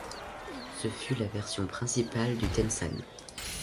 Ce fut la version principale du Tenzan.